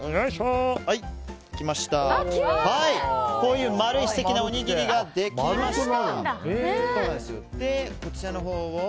こういう丸い素敵なおにぎりができました。